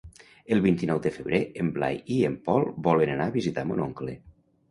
El vint-i-nou de febrer en Blai i en Pol volen anar a visitar mon oncle.